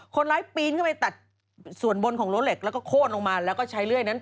คนร้ายปีนขึ้นไปตัดส่วนบนของรั้วเหล็กแล้วก็โค้นลงมาแล้วก็ใช้เลื่อยนั้น